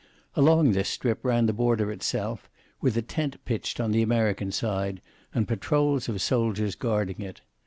Along this strip ran the border itself, with a tent pitched on the American side, and patrols of soldiers guarding it.